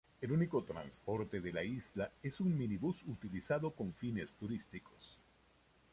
El único transporte de la isla es un minibús utilizado con fines turísticos.